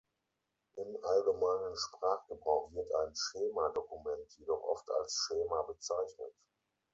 Im allgemeinen Sprachgebrauch wird ein Schema-Dokument jedoch oft als Schema bezeichnet.